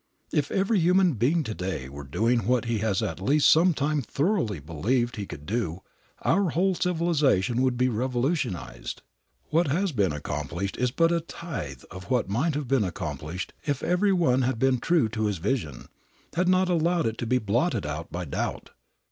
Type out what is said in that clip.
If every human being to day were doing what he has at least some time thoroughly believed he could do our whole civilization would be revolutionized. What has been accomplished is but a tithe of what might have been accomplished if every one had been true to his vision, had not allowed it to be blotted out by doubt.